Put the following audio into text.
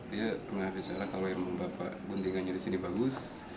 dia mengabiskan kalau yang bapak guntingannya disini bagus